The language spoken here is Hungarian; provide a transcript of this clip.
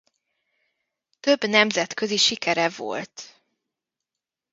Több nemzetközi sikere volt.